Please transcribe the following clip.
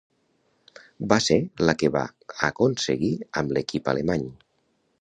Va ser la que va aconseguir amb l'equip alemany.